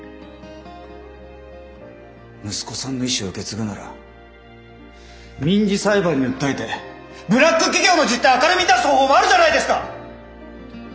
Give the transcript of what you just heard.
息子さんの遺志を受け継ぐなら民事裁判に訴えてブラック企業の実態を明るみに出す方法もあるじゃないですか！